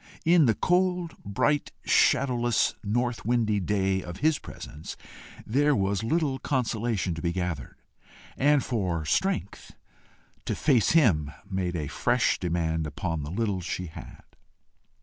In the cold, bright, shadowless, north windy day of his presence, there was little consolation to be gathered, and for strength to face him made a fresh demand upon the little she had.